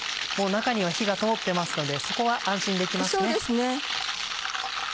もう中には火が通ってますのでそこは安心できますね。